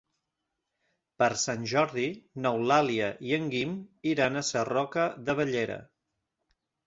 Per Sant Jordi n'Eulàlia i en Guim iran a Sarroca de Bellera.